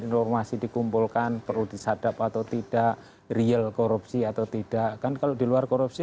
informasi dikumpulkan perlu disadap atau tidak real korupsi atau tidak kan kalau di luar korupsi